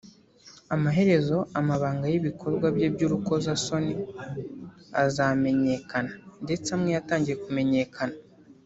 amaherezo amabanga y’ibikorwa bye by’urukozasoni azamenyekana ndetse amwe yatangiye kumenyekana